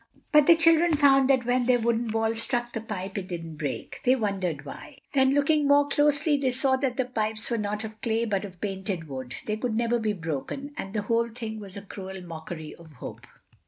But the children found that when their wooden ball struck the pipe it didn't break. They wondered why! Then, looking more closely, they saw that the pipes were not of clay, but of painted wood. They could never be broken—and the whole thing was a cruel mockery of hope.